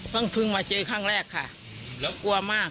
ปังคืนมาเจอกลมแรกค่ะกลัวมาก